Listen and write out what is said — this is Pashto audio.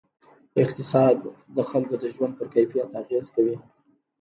اقتصاد د خلکو د ژوند پر کیفیت اغېز کوي.